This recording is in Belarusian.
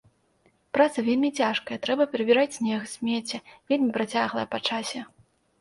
Праца вельмі цяжкая, трэба прыбіраць снег, смецце, вельмі працяглая па часе.